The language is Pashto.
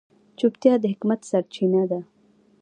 چوپتیا، د حکمت سرچینه ده.